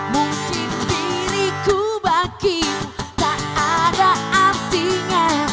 mungkin diriku bagimu tak ada artinya